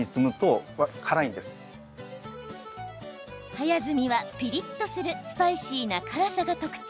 早摘みはピリっとするスパイシーな辛さが特徴。